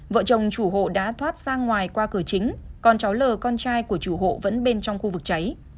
vợ chồng chủ hộ đã thoát ra ngoài qua cửa chính con cháu l con trai của chủ hộ vẫn bên trong khu vực cháy